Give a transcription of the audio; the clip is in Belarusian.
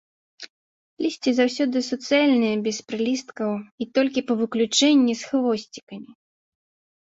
Лісце заўсёды суцэльнае, без прылісткаў і толькі па выключэнні з хвосцікамі.